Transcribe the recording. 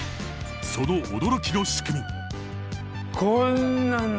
その驚きの仕組み。